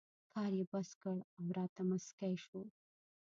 کار یې بس کړ او راته مسکی شو.